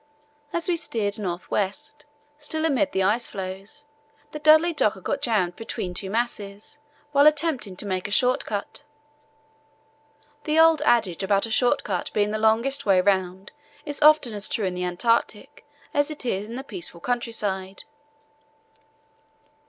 As we steered north west, still amid the ice floes, the Dudley Docker got jammed between two masses while attempting to make a short cut. The old adage about a short cut being the longest way round is often as true in the Antarctic as it is in the peaceful countryside.